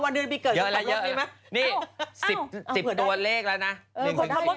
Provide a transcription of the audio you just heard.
วันเดือนปีเกิดอยู่กับกรมนี้ไหมนี่๑๐ตัวเลขแล้วนะ๑๒๓